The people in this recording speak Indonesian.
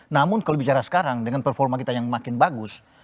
namun kalau bicara sekarang dengan performa kita yang makin bagus